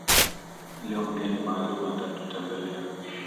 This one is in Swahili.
Leo mgeni maalum atatutembelea